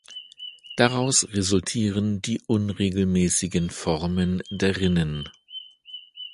Daraus resultieren die unregelmäßigen Formen der Rinnen.